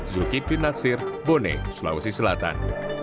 zulkifli nasir bone sulawesi selatan